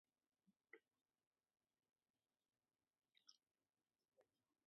A quin país es troba la institució?